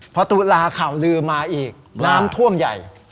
พอตุลาข่าวลือมาอีกน้ำท่วมใหญ่